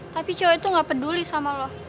tapi cowok itu gak peduli sama lo